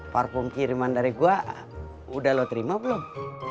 parfum kiriman dari gua udah lo terima belum